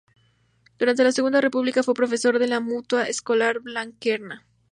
Durante la Segunda República fue profesor en la Mutua Escolar Blanquerna.